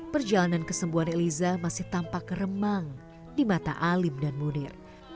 perjalanan kesembuhan eliza masih tampak remang di mata alim dan munir